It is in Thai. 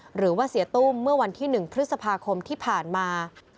หรือว่าเสียตุ้มเมื่อวันที่๑พฤษภาคมที่ผ่านมา